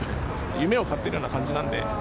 夢を買ってるような感じなんで。